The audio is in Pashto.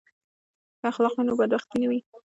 که اخلاق وي نو بدبختي نه وي.